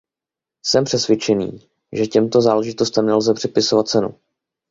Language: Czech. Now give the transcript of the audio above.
Jsem přesvědčený, že těmto záležitostem nelze připisovat cenu.